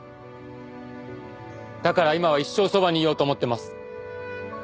だから今は一生そばにいようと思ってます。